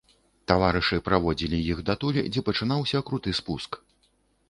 Таварышы праводзілі іх датуль, дзе пачынаўся круты спуск.